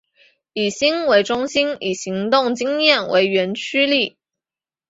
以心为中心以行动经验为原驱力。